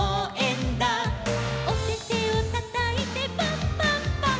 「おててをたたいてパンパンパン」